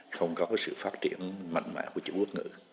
không có sự phát triển mạnh mẽ của chữ quốc ngữ